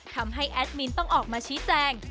ทำให้แอดมินต้องออกมาชี้แจง